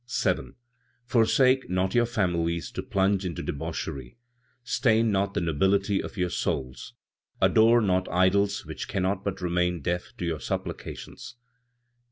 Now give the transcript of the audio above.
7. "Forsake not your families to plunge into debauchery; stain not the nobility of your souls; adore not idols which cannot but remain deaf to your supplications.